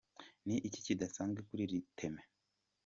Ni iki kidasanzwe kuri iri teme?.